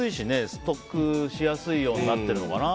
ストックしやすいようになってるのかな。